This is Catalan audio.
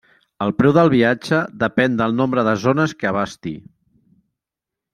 El preu del viatge depèn del nombre de zones que abasti.